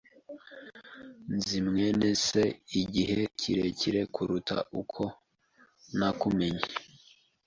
Nzi mwene se igihe kirekire kuruta uko nakumenye.